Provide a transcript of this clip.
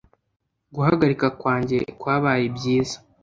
Guhagarika kwanjye kwabaye byiza